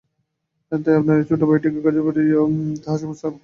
তাই আপনার এই ছোটো ভাইটিকে কাছে পাইয়া তাহার সমস্ত আবেগ উচ্ছ্বসিত হইয়া উঠিল।